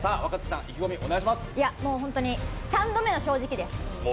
本当に三度目の正直です。